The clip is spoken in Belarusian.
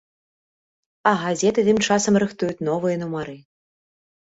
А газеты тым часам рыхтуюць новыя нумары.